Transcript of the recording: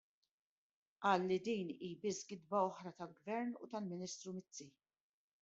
Qal li din hi biss gidba oħra tal-Gvern u tal-Ministru Mizzi.